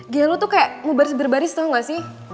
gila lo tuh kayak mau baris baris tau gak sih